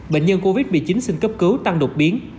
bệnh nhân covid một mươi chín xin cấp cứu tăng đột biến